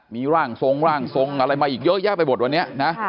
มีร่างทรงร่างทรงอะไรมาอีกเยอะแยะไปหมดวันนี้นะ